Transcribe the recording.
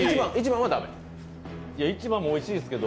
１番もおいしいですけど。